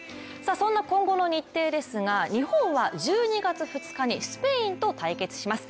そんな今後の日程ですが日本は１２月２日にスペインと対決します。